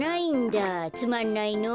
つまんないの。